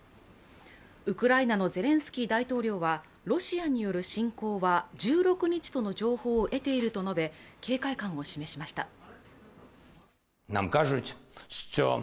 ウクライナのゼレンスキー大統領はロシアによる侵攻は１６日との情報を得ていると述べ警戒感を示しました。